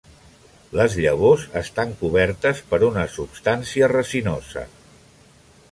Les llavors estan cobertes per una substància resinosa.